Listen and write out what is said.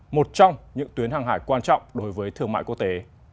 một trong những tuyến hàng hải quan trọng đối với thương mại quốc tế